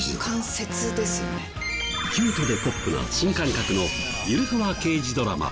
キュートでポップな新感覚のゆるふわ刑事ドラマ。